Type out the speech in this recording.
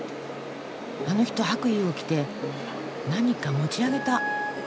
あの人白衣を着て何か持ち上げた。